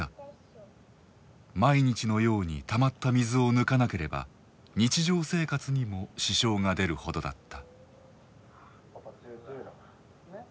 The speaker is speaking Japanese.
毎日のようにたまった水を抜かなければ日常生活にも支障が出るほどだった。